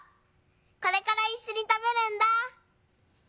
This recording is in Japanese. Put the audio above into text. これからいっしょにたべるんだ」。